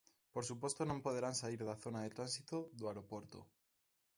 Por suposto non poderán saír da zona de tránsito do aeroporto.